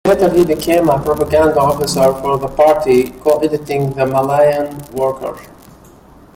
Later he became a propaganda officer for the party, co-editing "The Malayan Worker".